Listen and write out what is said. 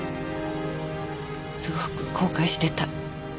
すごく後悔してた。